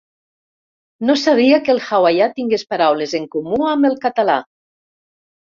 No sabia que el hawaià tingués paraules en comú amb el català!